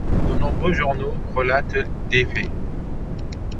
De nombreux journaux relatent les faits.